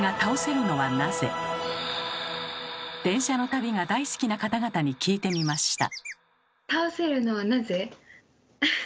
電車の旅が大好きな方々に聞いてみました。